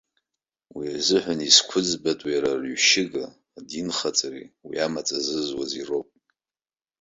Уи азыҳәан изқәыӡбатәу иара, арҩышьыга, адинхаҵареи уи амаҵ азызуази роуп.